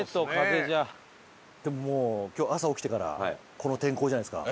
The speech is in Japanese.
でももう今日朝起きてからこの天候じゃないですか。